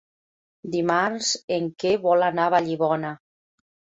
Dimarts en Quer vol anar a Vallibona.